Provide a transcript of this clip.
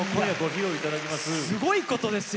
いやすごいことですよ